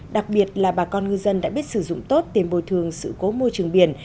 đặc biệt là bà con ngư dân đã biết sử dụng tốt tiền bồi thường sự cố môi trường biển